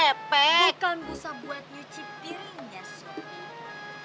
bursa efek itu kan bursa buat nyucip piringnya sofi